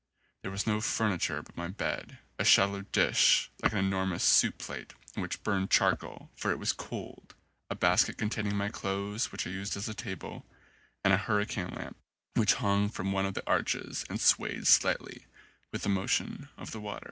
There was no furniture but my bed, a shallow dish like an enormous soup plate in which burned charcoal, for it was cold, a basket con taining my clothes which I used as a table, and a hurricane lamp which hung from one of the arches and swayed slightly with the motion of the water.